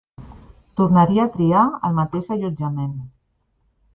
Tornaria a triar el mateix allotjament.